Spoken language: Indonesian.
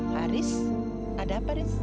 haris ada apa haris